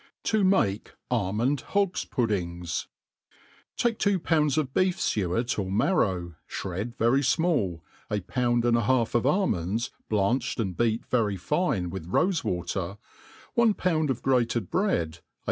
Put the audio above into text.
Ti maie Almond Hdgt tPuddings* TAtCE two pounds of beef fuet or marrow, fhred very fmall, a pound and a half of almonds blanched, and beat very fine with rofe water, one pound of grated bread, a.